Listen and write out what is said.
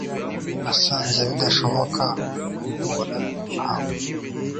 Nasanze bidashoboka guhura nawe